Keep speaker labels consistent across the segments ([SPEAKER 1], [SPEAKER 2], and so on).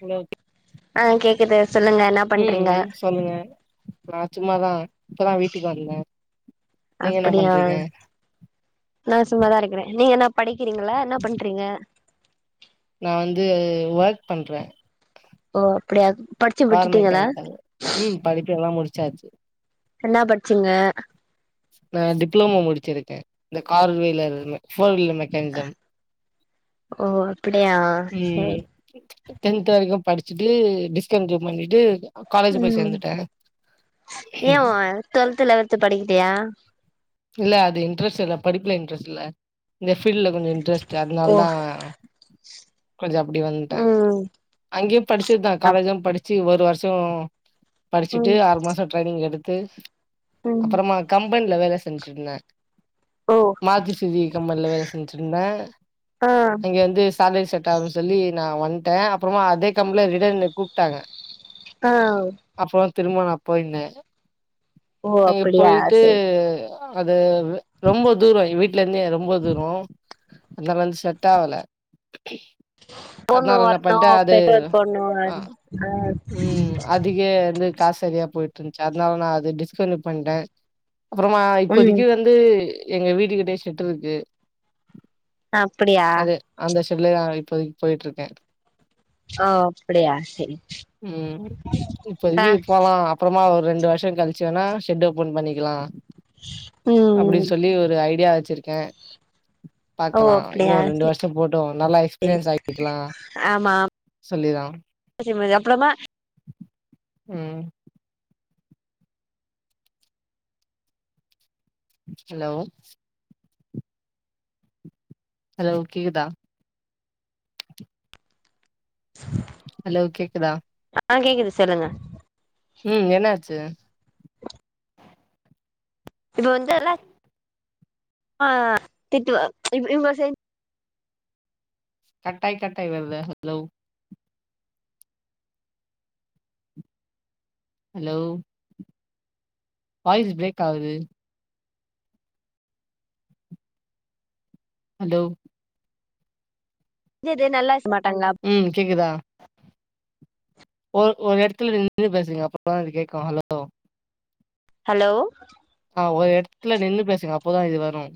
[SPEAKER 1] [unintelligible]
[SPEAKER 2] ஆ கேக்குது சொல்லுங்க என்ன பண்றீங்க
[SPEAKER 1] உம் சொல்லுங்க நான் சும்மாதான் இப்பதான் வீட்டுக்கு வந்தேன் நீங்க என்ன பண்றீங்க
[SPEAKER 2] நான் சும்மாதான் இருக்கிறேன் நீங்க என்ன படிக்க க்கிறீங்களா என்ன பண்றீங்க
[SPEAKER 1] நா வந்து ஒர்க் பண்றேன்
[SPEAKER 2] ஓ அப்படியா படிச்சு
[SPEAKER 1] கார்
[SPEAKER 2] விட்டுட்டீங்களா
[SPEAKER 1] மெக்கானிக்கல் உம் படிப்பு எல்லாம் முடிச்சு சாச்சு
[SPEAKER 2] என்னா படிச்சீங்க
[SPEAKER 1] நான் டிப்ளோமோ முடிச்சிருக்கேன் இந்த கார் வீலர்ல ஃபோர் வீல
[SPEAKER 2] ஓ அப்படியா சரி
[SPEAKER 1] ம் டென்த் வரைக்கும் படிச்சுட்டுடி [unintelligible] பண்ணிட்டு காலேஜ் போய்
[SPEAKER 2] உம்
[SPEAKER 1] சேந்துட்டே
[SPEAKER 2] ஏன் டுவெல்த் லெவன்து படிக்கலயா
[SPEAKER 1] இல்ல அது இன்ட்ரெஸ்ட் இல்ல படிப்புல இன்ட்ரெஸ்ட் இல்ல இந்த ஃபீல்டல கொஞ்சம் இன்ட்ரெஸ்டு அதனால
[SPEAKER 2] ஓ
[SPEAKER 1] தான் கொஞ்ச அப்டி வந்துட்ட
[SPEAKER 2] ம்
[SPEAKER 1] அங்கேம் படிச்சிதான்
[SPEAKER 2] அப்
[SPEAKER 1] காலேஜும் படிச்சி சி ஒரு வருஷம் படிச்சுட்டு
[SPEAKER 2] ம்
[SPEAKER 1] ஆறு மாசம் ட்ரைனிங் எடுத் த்து
[SPEAKER 2] ம்
[SPEAKER 1] அப்பறமா கம் கம்பன்ல வேல செஞ்சிருந்தேன்
[SPEAKER 2] ஓ
[SPEAKER 1] [unintelligible] கம்பனில வேல செஞ்சுருந்தன்
[SPEAKER 2] ஆ
[SPEAKER 1] அங்க வந்து [unintelligible] [unintelligible] சொல்லி நான் வந்ட்டேன் அப்புறமா அதே கம்பெனில ரிட்டன் என்ன கூப்ட்டாங்க
[SPEAKER 2] ஆஹ்
[SPEAKER 1] அப்பறோ திரும்ப நா போயிருந்த
[SPEAKER 2] ஓ
[SPEAKER 1] அங்கே
[SPEAKER 2] அப்படியா
[SPEAKER 1] போயிட்டு
[SPEAKER 2] சரி
[SPEAKER 1] அது ரொம்ப தூரோ வீட்டு்ல இருந்தே ரொம்ப தூரோ அந்த வந்து செஷட் ஆவல
[SPEAKER 2] பொண்ணு
[SPEAKER 1] அதனால என்ன
[SPEAKER 2] வர்
[SPEAKER 1] பண்ட்டே
[SPEAKER 2] இன்னு
[SPEAKER 1] அது
[SPEAKER 2] பெட்ரோல் போட்ணு
[SPEAKER 1] அ
[SPEAKER 2] அஹ்
[SPEAKER 1] ம் அதிக வந்து காசு செரியா போயிட்டு இருந்துச்சு அதனால நான் அது டிஸ்கண்டின்யு பண்டே அப்பறமா
[SPEAKER 2] ம்
[SPEAKER 1] இப்போதைக்கு வந்து எங்க வீட்டுக்கிட்டய செட் இருக்கு
[SPEAKER 2] அப்படியா
[SPEAKER 1] அது [unintelligible] இப்போதைக்கு போயிட்டு இருக்கேன்
[SPEAKER 2] ஓ அப்படியா சரி
[SPEAKER 1] உம்
[SPEAKER 2] ஆ
[SPEAKER 1] இப்பதிக்கு போலாம் அப்பறமா ஒரு ரெண்டு வருஷம் கழிச்சு வேனா ஷெட் ஓப்பன் பண்ணிக்கலா அப்டி
[SPEAKER 2] ம்
[SPEAKER 1] சொல்லி ஒரு ஐடியா வச்சுருக்கே
[SPEAKER 2] ஓ
[SPEAKER 1] பாக்கலா இன்னும்
[SPEAKER 2] அப்படியா
[SPEAKER 1] ஒரு ரெண்டு வருஷோ போட்டோம் நல்லா எக்ஸ்பீரியன்ஸ் ஆகிக்கலா
[SPEAKER 2] [unintelligible] அப்றமா
[SPEAKER 1] ம் ஹலோ ஹலோ கேக்குதா ஹலோ கேக்குதா
[SPEAKER 2] ஆஹ் கேக்குது சொல்லுங்க
[SPEAKER 1] உம் என்னாச்சு
[SPEAKER 2] இது வந்தல்ல [inaudible]
[SPEAKER 1] கட்டாய் கட்டாய் வருது ஹலோ ஹலோ வாய்ஸ் பிரேக் ஆகுது ஹலோ
[SPEAKER 2] இது [unintelligible]
[SPEAKER 1] உம் கேக்குதா ஒரு ஒரு இடத்துல நின்னு பேசுங்க அப்பதா அது கேக்கும் ஹலோ
[SPEAKER 2] ஹலோ
[SPEAKER 1] ஆஹ் ஒரு இடத்துல நின்னு பேசுங்க அப்போதான் இது வரும்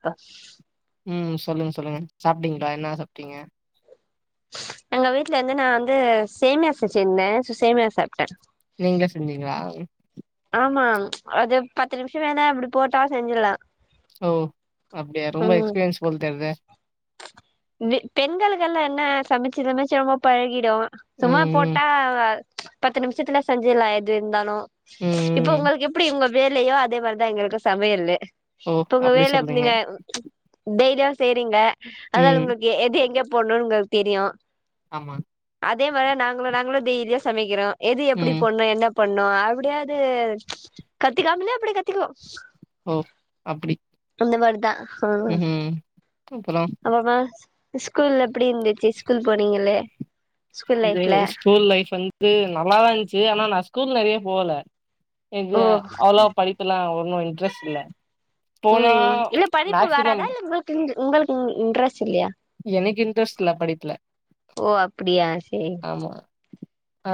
[SPEAKER 2] அ
[SPEAKER 1] உம் சொல்லுங்க சொல்லுங்க சாப்டீங்களா என்ன சாப்டீங்க
[SPEAKER 2] எங்க வீட்டு்ல இருந்து நான் வந்து சேமியாசை செங்சிருந்தே சேமியா சாப்பிட்டே
[SPEAKER 1] நீங்க செஞ்சிங்களா
[SPEAKER 2] ஆமா அது பத்து நிமிஷோ வேல அப்டி போட்டா செஞ்சிடலா
[SPEAKER 1] ஓ அப்டியா ரொம்ப எக்ஸ்பீரியன்ஸ் போல தெரியது
[SPEAKER 2] பெ பெண்களுக்கெல்லாம் என்ன சமைச்சு சமைச்சு ரொம்ப பழகிடும்
[SPEAKER 1] ம்,
[SPEAKER 2] சும்மா
[SPEAKER 1] ம்,
[SPEAKER 2] போட்டா பத்து நிமிஷத்துல செஞ்சில்லாம் எது இருந்தாலும்
[SPEAKER 1] ம்,
[SPEAKER 2] இப்ப
[SPEAKER 1] ம்.
[SPEAKER 2] உங்களுக்கு எப்படி உங்க வேலையோ அதே மாரிதான் எங்களுக்கு சமையல்லு
[SPEAKER 1] ஓ!
[SPEAKER 2] இப்ப உங்க
[SPEAKER 1] அப்டி
[SPEAKER 2] வேலை
[SPEAKER 1] சொல்றீங்க.
[SPEAKER 2] அப்பனீங்க டெய் லி தான் செய்றீங்க அதா
[SPEAKER 1] ம்.
[SPEAKER 2] உங்கள்கு எது எங்க பொன்னுங்களுக்கு தெரியும்
[SPEAKER 1] ஆமா
[SPEAKER 2] அதே மாரி நாங்களும் நாங்களும் டெய்லியும் சமைக்கிறோம் எது எப்படி
[SPEAKER 1] ம்.
[SPEAKER 2] போன்னும் என்ன பண்ணும் அப்படியாவது கத்துக்காமலா அப்டி கத்துக்குறும்
[SPEAKER 1] ஓ! அப்டி.
[SPEAKER 2] அந்த மாரிதான் ஆ
[SPEAKER 1] ம்ஹ்ம். அப்புறம்
[SPEAKER 2] ஆமா ஸ்கூல் எப்படி இருந்துச்சு ஸ்கூல் போனீங்களே ஸ்கூல்
[SPEAKER 1] இது
[SPEAKER 2] லைஃப்ல
[SPEAKER 1] ஸ்கூல் லைஃப் வந் ம்ம் நல்லாதான் இருந்ச்சு ஆனா நான் ஸ்கூல் நெறைய போகல எது
[SPEAKER 2] ஓ
[SPEAKER 1] அவ்ளோ படிப்பு எல்லாம் ஒன்னும் இன்ட்ரெஸ்ட் இல்ல போனா
[SPEAKER 2] ம் இல்ல படிப்பு
[SPEAKER 1] மேக்சிமம்
[SPEAKER 2] ல்லயா ஒ அப்டியா சரி
[SPEAKER 1] ஆமா. ஆ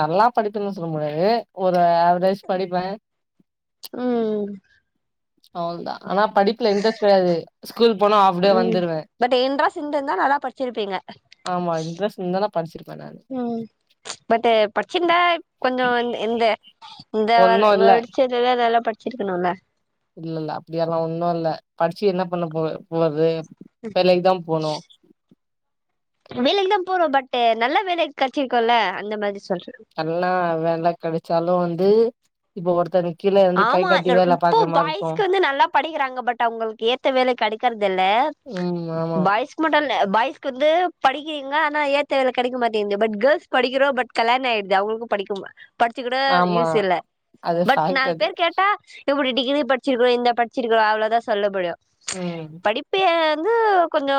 [SPEAKER 1] நல்லா படிப்பேன்னு சொல்ல முடியாது ஒரு ஆவரேஜ் படிப்பேன்
[SPEAKER 2] ம்ம்
[SPEAKER 1] அவ்ளவு தான் ஆனா படிப்புல இன்ட்ரெஸ்ட் வராது
[SPEAKER 2] ம் பட் இன்ட்ரஸ்ட் இருந்திருந்தா நல்லா படிச்சிருப்பீங்க
[SPEAKER 1] ஆமா இன்ட்ரெஸ்ட் இருந்தா படிச்சிருப்பே நானு
[SPEAKER 2] ம் பட் படிச்சிருந்தா கொஞ்சம் வந் இந்த இந்த
[SPEAKER 1] ஒன்னு இல்ல
[SPEAKER 2] [unintelligible] நல்லா ப படிச்சிருக்கலாம்ல
[SPEAKER 1] இல்ல இல்ல அப்டி எல்லாம் ஒன்னும் இல்ல படிச்சு என்ன பண்ண போ போறது வேலைக்கு தான் போணும்
[SPEAKER 2] வேலைக்கு தான் போறோம் பட் நல்ல வேலைக் கடச்சிருக்கோல அந்த மாரி
[SPEAKER 1] நல்ல வேல கடச்சாலும் வந் இது இப்ப ஒருத்த
[SPEAKER 2] ஆமா இப்போ பாய்ஸ்க்கு வந்து நல்லா படிக்கிறாங்க பட் அவங்களுக்கு ஏத்த வேலை கெடைக்கிறது இல்ல
[SPEAKER 1] ம் ஆமா
[SPEAKER 2] பாய்ஸ்கு மட்டும் இல்ல பாய்ஸ் வந்து படிக்கிறீங்க ஆனா ஏத்த வேல கெடைக்க மாட்டேங்குது பட் கேர்ஸ் படிக்கிறோம் பட் கல்யாணம் ஆயடுது அவங்களுக்கும் படிக்கும் படிச்சி கூட
[SPEAKER 1] ஆமா
[SPEAKER 2] யூஸ் இல்ல
[SPEAKER 1] அது
[SPEAKER 2] பட்
[SPEAKER 1] ஃபேக்ட்
[SPEAKER 2] நாலு
[SPEAKER 1] அது
[SPEAKER 2] பேர் கேட்டா எப்டி டிகிரி படிச்சிருக்கோ இந்த படிச்சிருக்கோ அவ்ளோதா சொல்ல முடியு
[SPEAKER 1] ம்
[SPEAKER 2] படிப்பு வந்து கொஞ்சோ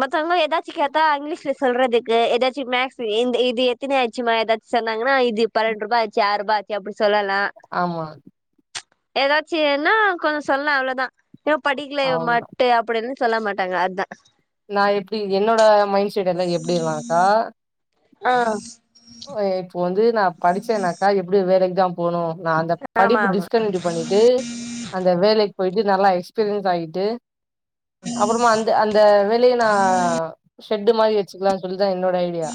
[SPEAKER 2] மத்தவங்க ஏதாச்சி கேட்டா இங்கிலீஷ்ல சொல்றதுக்கு ஏதாச்சி மேக்ஸ் இந் இது எத்தனைய ஆச்சுமா ஏதாச்சி சொன்னாங்கன்னா இது பன்ரண்டு ருபா ஆச்சு ஆறு ருபா ஆச் [unintelligible] சொல்லலா
[SPEAKER 1] ஆமா
[SPEAKER 2] ஏதாச்சின்னா கொஞ்ச சொல்லலா அவ்ளோதா ஏ படிக்கல
[SPEAKER 1] அவ்ளோதா
[SPEAKER 2] மட்டு அப்டின்னு சொல்ல மாட்டாங்க அதா
[SPEAKER 1] நா எப்டி என்னோட மைண்ட் செட் எல்லா எப்டி இல்லாங்கா
[SPEAKER 2] ஆஹ்
[SPEAKER 1] ஓ இப்போ வந்து நா படிச்சேன்னாக்கா எப்புடி வேலை க்கு தா போணு நா அந்த
[SPEAKER 2] ஆமா
[SPEAKER 1] படிப்பு
[SPEAKER 2] ஆமா
[SPEAKER 1] டிஸ்கன்டினியூடி பண்ணிட்டு அந்த வேலை போய்ட்டு நல்லா எக்ஸ்பீரியன்ஸ் ஆய்ட்டு அப்புறமா அந்த அந்த வேலய நா ஷெட்டு மாரி வச்சுக்கலா சொல் இதா என்னோட ஐடியா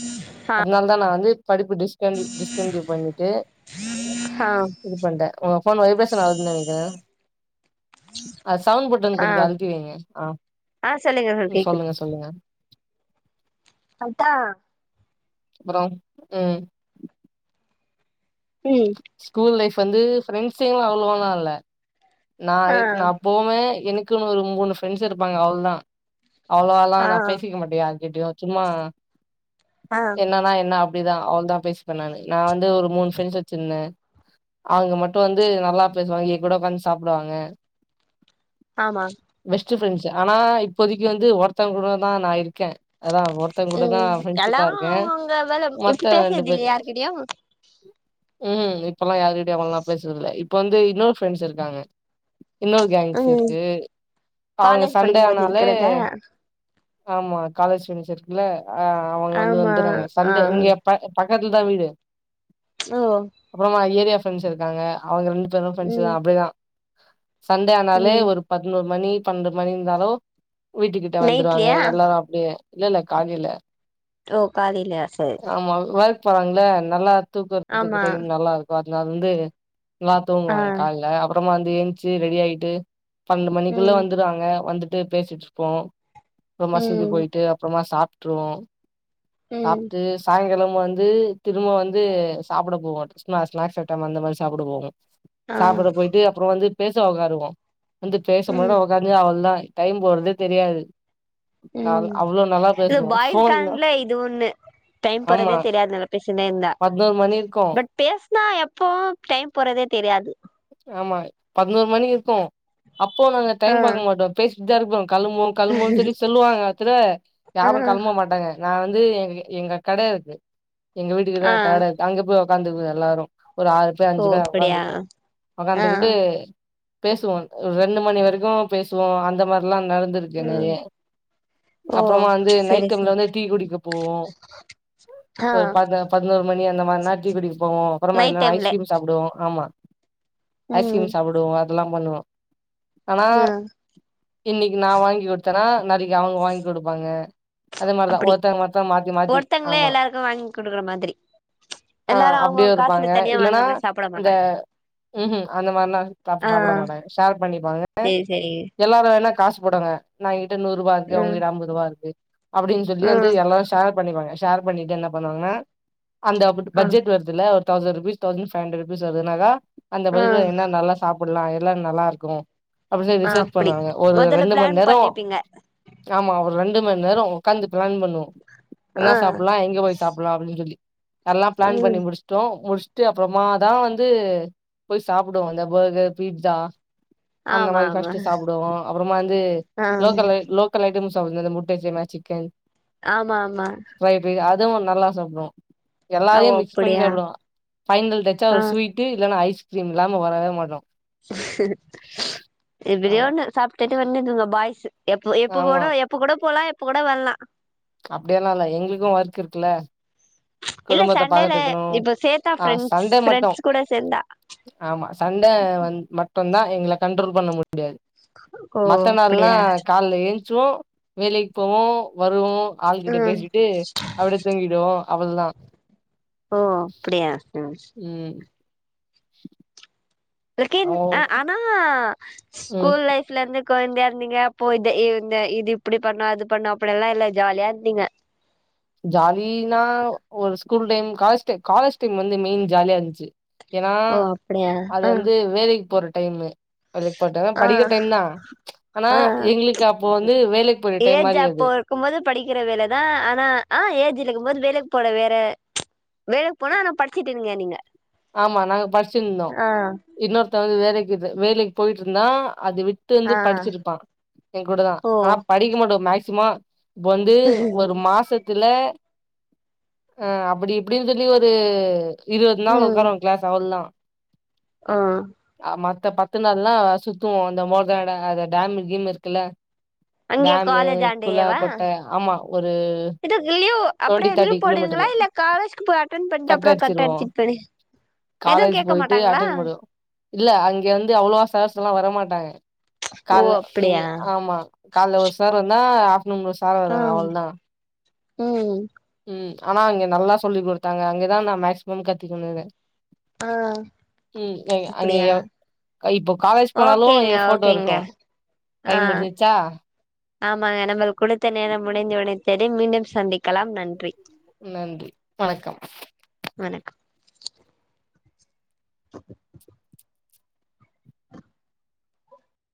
[SPEAKER 2] ஆ
[SPEAKER 1] அதுனால தா நா வந்து படிப்பு டிஸ்கண்ட் டிஸ்கண்டின்யு பண்ணிட்டு
[SPEAKER 2] ஆ
[SPEAKER 1] இது பண்றே உங்க ஃபோன் வைப்ரேஷன் ஆவுதுன்னு நெனைக்கிற அது சவுண்ட் பட்டன்
[SPEAKER 2] ஆ
[SPEAKER 1] கொஞ்சோ அழுத்தி வைங்க ஆ
[SPEAKER 2] ஆ சொல்லுங்க
[SPEAKER 1] சொல்லுங்க சொல்லுங்க
[SPEAKER 2] அத்தா
[SPEAKER 1] அப்புறோ உம்
[SPEAKER 2] ம்
[SPEAKER 1] ஸ்கூல் லைஃப் இப்ப வந்து ஃப்ரெண்ட்ஸ்ங்களு அவ்ளோளா இல்ல நா
[SPEAKER 2] ஆ
[SPEAKER 1] அ நா போவே எனக்குனு ஒரு மூணு ஃப்ரெண்ட்ஸ் இருப்பாங்க அவ்ள தா அவளவாலா
[SPEAKER 2] ஆ
[SPEAKER 1] நா பேசிக்க மாட்ட யார்கி கிட்டயு சும்மா
[SPEAKER 2] ஆ
[SPEAKER 1] என்னான்னா என்ன அப் அப்படிதா அவ்ளோ தா பேசிப்ப நானு நா வந்து ஒரு மூணு ஃபிரண்ட்ஸ் வச்சிருந்தே அவுங்க மட்டு வந்து நல்லா பேசுவாங்க எங் கூட உக்காந்து சாப்டு சாப்புடுவாங்க
[SPEAKER 2] ஆமாங்
[SPEAKER 1] பெஸ்ட் ஃபிரண்ட்ஸ் ஆனா இப்பதிக்கு வந்து ஒருத்தவங் கூட தா நா இருக் கே அதா ஒருத்தங்க கூடதா
[SPEAKER 2] ம்
[SPEAKER 1] ஃபிரெண்ட்ஷிப்பா
[SPEAKER 2] எல்லாரு
[SPEAKER 1] இருக்க
[SPEAKER 2] அவங்கவுங்க வேல எப்டி
[SPEAKER 1] மத்த ரெண்டு
[SPEAKER 2] பேசுறது
[SPEAKER 1] பேரு
[SPEAKER 2] இல்லையா யார்கிட்டயு
[SPEAKER 1] ம் இப்போலாம் யார்கிட்டயூம் அவ்ளோளாம் பேசுரது இல்ல இப்ப வந்து இன்னொரு ஃப்ரெண்ட்ஸ் இருக் காங்க இன்னோரு கேங்ஸ்
[SPEAKER 2] ம்
[SPEAKER 1] இருக்கு அவ்ங்க
[SPEAKER 2] காலேஜ்
[SPEAKER 1] சண்டே
[SPEAKER 2] படிக்கும்போது
[SPEAKER 1] ஆனாலே
[SPEAKER 2] இருக்கிறதா
[SPEAKER 1] ஆமா காலேஜ் ஃபிரெண்ட்ஸ் இருக்குல்ல ஆஹ் அவங்க வந்து
[SPEAKER 2] ஆமா
[SPEAKER 1] வந்துற்றாங்க
[SPEAKER 2] ஆ
[SPEAKER 1] சண்டே இங்க ப பக்க பக்கத்துல தா வீடு
[SPEAKER 2] ஓ
[SPEAKER 1] அப்றமா ஏரியா ஃபிரெண்ட்ஸ் இருக்காங்க அவுங்க ரெண்டு பேரும் ஃபிரெண்ட்ஸ் தா
[SPEAKER 2] ம்
[SPEAKER 1] அப்டிதா [unintelligible] சண்டே ஆனாலே
[SPEAKER 2] ம்
[SPEAKER 1] ஒரு பத்னோரு மணி பன்னெண்டு மணி இருந்தாலோ வீட்டுக்கிட்ட வந்துருவாங்க
[SPEAKER 2] நைட்லயா
[SPEAKER 1] எல்லாரும் அப்டியே இல்ல இல்ல காலைல
[SPEAKER 2] ஓ காலையிலையா சேரி சே
[SPEAKER 1] ஆமா ஒர்க் போறாங்கள நல்லா தூக்குறதுக்கு டைம் நல்லா இருக்கும் லா வந்து எல்லா
[SPEAKER 2] ஆ
[SPEAKER 1] தூங்குவாங்க கால்ல அப்றோ அப்புறமா வந்து ஏஞ்ச்சு ரெடி ஆயிட்டு பன்னெண்டு மணிக்குள்ள
[SPEAKER 2] ம்
[SPEAKER 1] வந்துறங்க வந்து ட்டு பேசிட்டு இருப்போ அப்றோ மசுதி
[SPEAKER 2] ம்
[SPEAKER 1] போய்ட்டு அப்புறமா சா ட்டுருவோ
[SPEAKER 2] ம்
[SPEAKER 1] சாப்ட்டு சாய்ங்காலம் வந்து திரும்ப வந்து சாப்டபோவோ சின்ன ஸ்னாக்ஸ் ஐய்டம் அந்த மாரி சாப்ட போவோ
[SPEAKER 2] ஆஹ்
[SPEAKER 1] அப்றோ வந்து பேச உக்காருவோ வந்து பேச போது
[SPEAKER 2] ம்
[SPEAKER 1] உக்காந்து அவளோதா டைம் போறதே தெரியாது நா
[SPEAKER 2] உம்
[SPEAKER 1] அவ்ளோ நல்லா
[SPEAKER 2] இது
[SPEAKER 1] பேசுவோ
[SPEAKER 2] பாய்ஸ்
[SPEAKER 1] ஃபோன்ல
[SPEAKER 2] காங்கலே இது ஒண்ணு டைம்
[SPEAKER 1] ஆமா
[SPEAKER 2] போறதே தெரியாது நல்லா பேசினே இருந்தா
[SPEAKER 1] பதினோரு மணி இருக்கு
[SPEAKER 2] பட் பே நா எப்போ டைம் போறதே தெரியாது
[SPEAKER 1] ஆமா பதினோரு மணி இருக்கு அப்போ நாங்க
[SPEAKER 2] ஆ
[SPEAKER 1] டைம் பாக்க மாட்டோம் பேசிட்டுதான் இருப்போ கிளம்புவோம் கிளம்புவோம் சொல்லி சொல்லுவாங்க இடத்தில
[SPEAKER 2] ஆ
[SPEAKER 1] யாரும் கிளம்ப மாட்டாங்க நான் வந்து எ எங்க கட இருக்கு எங்க
[SPEAKER 2] ஆ
[SPEAKER 1] வீட்டுக்குதான் காடை அங்க போ உட்காந்துவோ எல்லாரு ஒரு ஆறு பேர்
[SPEAKER 2] ஓ
[SPEAKER 1] அஞ்சு பேர்
[SPEAKER 2] அப்படியா
[SPEAKER 1] ஒக்காந்துப்போ
[SPEAKER 2] ஆ
[SPEAKER 1] வந்துகிட்டு பேசுவோம் ரெண்டு மணி வரைக்கும் பேசுவோம் அந்த மாதிரிலாம் நிறைய நடந்திருக்கு நிறைய
[SPEAKER 2] ம் ஓ
[SPEAKER 1] அப்புறமா வந்து நைட்
[SPEAKER 2] சரி சரி
[SPEAKER 1] டைம்ல வந்து டீ குடிக்க போவோம்
[SPEAKER 2] ஆ
[SPEAKER 1] ஒரு பதினோரு மணி அந்த மாதிரினா டீ குடிக்க போவோம்
[SPEAKER 2] நைட்
[SPEAKER 1] அப்புறமால்ல
[SPEAKER 2] டைம்ல
[SPEAKER 1] ஐஸ்கிரீம் சாப்டுவோம் ஆமா
[SPEAKER 2] ம்
[SPEAKER 1] ஐஸ்கிரீம் சாப்படுவோம் அதெல்லாம் பண்ணுவோம் ஆனா
[SPEAKER 2] ஆ
[SPEAKER 1] இன்னைக்கு நான் வாங்கி கொடுத் த்தனா நாளைக்கு அவங்க வாங்கி கொடுப்பாங்க
[SPEAKER 2] அப்படி ஒருத்தங்களே
[SPEAKER 1] ஆமா
[SPEAKER 2] எல்லாருக்கும் வாங்கி கொடுக்குற மாதிரி
[SPEAKER 1] ஆ
[SPEAKER 2] எல்லாரும்
[SPEAKER 1] அப்டியு
[SPEAKER 2] அவங்கங்க
[SPEAKER 1] இருப்பாங்க
[SPEAKER 2] காசுல தனியா
[SPEAKER 1] இல்லன்னா
[SPEAKER 2] வாங்காம சாப்பிட
[SPEAKER 1] இந்த
[SPEAKER 2] மாட்டாங்க
[SPEAKER 1] அந்த மாரிலா
[SPEAKER 2] ஆ
[SPEAKER 1] சாப்பிட மாட்டாங்க ஷேர் பண்ணிப்பாங்க
[SPEAKER 2] சேரி சேரி
[SPEAKER 1] எல்லாரு காசு போடுங்க நான் இ நூறுரூபா இருக்கு
[SPEAKER 2] ம்
[SPEAKER 1] உங்கிட்ட ஐம்பது ரூபா இருக்கு அப்படின்னு சொல்லி
[SPEAKER 2] ஆ
[SPEAKER 1] வந்து எல்லாரும் ஷேர் பண்ணிப்பாங்க ஷேர் பண்ணிட்டு என்ன பண்ணுவாங்கன்னா அந்த
[SPEAKER 2] ஆ
[SPEAKER 1] பட்ஜெட் வருதுல thousand rupees thousand five hundred rupees வருதுனாக்க அந்த
[SPEAKER 2] ஆ
[SPEAKER 1] பைசா என்னென்னலா சாப் ப்படலாம் எல்லா நல்லா இருக்கு அப்படனு சொல்ல
[SPEAKER 2] ஆ
[SPEAKER 1] ரிசர்ச்
[SPEAKER 2] அப்டி
[SPEAKER 1] பண்ணுவாங்க ஒரு
[SPEAKER 2] மொதல்ல
[SPEAKER 1] ரெண்டு மணி
[SPEAKER 2] பிளான்
[SPEAKER 1] நேரம்
[SPEAKER 2] பண்ணிப்பீங்க
[SPEAKER 1] ஆமா ஒரு ரெண்டு ஒரு மணி நேரம் உட்கந்து பிளான் பண்ணுவோ என்ன
[SPEAKER 2] ஆ
[SPEAKER 1] சாப்பிடலாம் எங்க போய் சாப்பிடலாம் அப்படின்னு சொல்லி எல்லாம் பிளான் பண்ணி
[SPEAKER 2] ம்
[SPEAKER 1] முடிச்சுட்டோம் முடிச்ச அப்புறமா தான் வந்து போய் சாப்பிடுவோம் அந்த பர்கர் பிட்சா அந்த
[SPEAKER 2] ஆமா
[SPEAKER 1] மாதிரி
[SPEAKER 2] ஆமா
[SPEAKER 1] பர்ஸ்ட் சாப்பிடுவோம் அப்புறமா வந்து
[SPEAKER 2] ஆ
[SPEAKER 1] லோக்கல் லோக்கல் ஐட்டம்ஸ் முட்டை செமா சிக்கன்
[SPEAKER 2] ஆமா ஆமா
[SPEAKER 1] இதுவும் நல்லா சாப்பிடுவோம்
[SPEAKER 2] ஓ
[SPEAKER 1] எல்லாரையும் மிக்ஸ் பண்ணி
[SPEAKER 2] அப்டியா
[SPEAKER 1] சாப்பிடுவங்க பைனல் டச்சா
[SPEAKER 2] ஆ
[SPEAKER 1] ஒரு ஸ்வீட் இல்ன்னா ஐஸ் ச இல்லாம வரவே மாட்டோம்
[SPEAKER 2] எப்படியோ
[SPEAKER 1] ஆமா
[SPEAKER 2] ஒண்ணு சாப்பிட்டுட்டு வந்துதுங்க பாய்ஸ்சு எப்ப எப்ப
[SPEAKER 1] ஆமா
[SPEAKER 2] கூட எப்ப கூட போகலாம் கூட வரலாம்
[SPEAKER 1] அப்படியெல்லாம் இல்ல எங்களுக்கும் ஒர்க் இருக்குல்ல
[SPEAKER 2] இல்ல
[SPEAKER 1] குடும்பத்தை
[SPEAKER 2] சண்டேல
[SPEAKER 1] பாத்துக்கணும்
[SPEAKER 2] இப்ப சேத்தா
[SPEAKER 1] ஆஹ்
[SPEAKER 2] ஃப்ரெண்ட்ஸ்
[SPEAKER 1] சண்டே மட்டும்
[SPEAKER 2] ஃப்ரெண்ட்ஸ் கூட சேந்தா
[SPEAKER 1] ஆமா சண்டே வந்து மட்ட தான் எங்களை கண்ட்ரோல் பண்ண முடியும் முடியாது
[SPEAKER 2] ஓ
[SPEAKER 1] மத்த
[SPEAKER 2] அப்டியா
[SPEAKER 1] நாளெல்லாம் காலேல எழுந போ வேலைக்கு போ வருவோம் ஆளுகிட்ட
[SPEAKER 2] ம்
[SPEAKER 1] பேசிட்டு அப்படியே தூங்கிடுவோம் [inaudible]
[SPEAKER 2] ஓ அப்படியா
[SPEAKER 1] உம் [inaudible]
[SPEAKER 2] [unintelligible] அ
[SPEAKER 1] அவ்
[SPEAKER 2] ஆனா
[SPEAKER 1] ம்
[SPEAKER 2] ஸ்கூல் லைஃப்ல இருந்து கொழந்தயா இருந்தீங்க அப்போ இத இ இந்த இது இப்டி பண்ணா அது பண்ணா அப்டியெல்லா இல்ல ஜாலியா இருந்தீங்க
[SPEAKER 1] ஜாலினா ஒரு school time college time college time வந்து மெயின் ஜாலியா இருந்துச்சு ஏனா
[SPEAKER 2] ஓ அப்டியா
[SPEAKER 1] அது
[SPEAKER 2] ஆ
[SPEAKER 1] வந்து வேலைக்கு போறட் டைமு வேலைக்கு போட்டா
[SPEAKER 2] ஆ
[SPEAKER 1] படிக்கிற டைம் தா ஆனா
[SPEAKER 2] ஆ
[SPEAKER 1] எங்ளுக்கு அப்போ வந்து வேலைக்கு போய டைம்
[SPEAKER 2] ஏஜ்
[SPEAKER 1] மாரி
[SPEAKER 2] அப்போ
[SPEAKER 1] அது
[SPEAKER 2] இருக்கும் போது படிக்கிற வேலதா ஆனா ஆ ஏஜ் இருக்கும் போது வேலைக்கு போட வேற வேலைக்கு போனா ஆனா படிச்சுட்டு இருந்தீங்க நீங்க
[SPEAKER 1] ஆமா நாங்க படிச்சிருந்தோ
[SPEAKER 2] ஆ
[SPEAKER 1] இன்னொருத்த வந்து வேலைக் க்கு வேலைக் போய்ட்டு இருந்தா அது விட்டு வந்து
[SPEAKER 2] ஆ
[SPEAKER 1] படிச்சிருப்பா எங்க கூடதா
[SPEAKER 2] ஓ
[SPEAKER 1] ஆனா படிக்க மாட்டோ மேக்ஸிம வந்து ஒரு மாசத்துல அ அப்டி இப்டினு சொல்லி ஒரு இருவது நாளு
[SPEAKER 2] ம்
[SPEAKER 1] உக்காருவோ கிளாஸ் அவ்ளதா
[SPEAKER 2] ஆ
[SPEAKER 1] மத்த பத்து நாள்லா சுத்துவோ அந்த மோரதனடை அத டேமு கீமு இருக்குல்ல
[SPEAKER 2] அங்கே
[SPEAKER 1] டேமு
[SPEAKER 2] காலேஜ்
[SPEAKER 1] குள
[SPEAKER 2] ஆண்டயேவா
[SPEAKER 1] கொட்ட ஆமா ஒரு
[SPEAKER 2] இதுக் லீவ்
[SPEAKER 1] டுவெண்டி
[SPEAKER 2] அப்டியே
[SPEAKER 1] தேர்ட்டி
[SPEAKER 2] லீவ் போடுவீங்களா
[SPEAKER 1] கிலோமீட்டரு
[SPEAKER 2] இல்ல காலேஜ்க்கு போய் அட்டன் பண்ட்டு அப்றோ கட் அட்சிட்டு போய் எதுவு
[SPEAKER 1] காலேஜ்
[SPEAKER 2] கேக்க
[SPEAKER 1] போயிட்டு
[SPEAKER 2] மாட்டாங்களா
[SPEAKER 1] அட்டன் பண்ணுவோ இல்ல அங்க வந்து அவ்ளவா சர்ஸ் எல்லா வர மாட்டாங்க
[SPEAKER 2] ஓ
[SPEAKER 1] கால்ல இ
[SPEAKER 2] அப்டியா
[SPEAKER 1] ஆமா காலைல ஒரு சார் வந்தா [unintelligible] சார்
[SPEAKER 2] ஆ
[SPEAKER 1] வருவாங்க அவ்ளதா
[SPEAKER 2] ம்
[SPEAKER 1] ம் ஆனா அங்க நல்லா சொல்லி் குடுத்தாங்க அங்கதா நா மேக்சிமம் கத்திக்கணுது
[SPEAKER 2] ஆ
[SPEAKER 1] அங்க
[SPEAKER 2] அப்டியா
[SPEAKER 1] எ இப்போ காலேஜ் போனாலு எ
[SPEAKER 2] ஓகேங்க
[SPEAKER 1] ஃபோட்டோ
[SPEAKER 2] ஓகேங்க
[SPEAKER 1] இருக்கு
[SPEAKER 2] ஆ
[SPEAKER 1] டைம் முடிஞ்சிச்சா
[SPEAKER 2] ஆமாங்க நம்மளுக் குடுத்த நேரம் முடிஞ்ச [unintelligible] மீண்டும் சந்திக்கலாம் நன்றி
[SPEAKER 1] நன்றி வணக்கம்
[SPEAKER 2] வணக்கம் [inaudible]